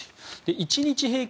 １日平均